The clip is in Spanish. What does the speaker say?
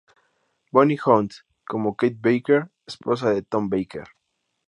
Bonnie Hunt como Kate Baker, Esposa de Tom Baker.